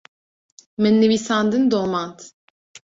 min nivîsandin domand.